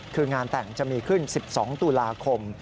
คืองานแต่งจะมีขึ้น๑๒ตุลาคม